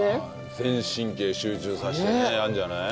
全神経集中させてねやるんじゃない？